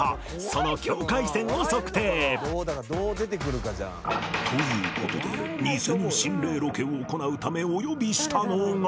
その境界線を測定という事でニセの心霊ロケを行うためお呼びしたのが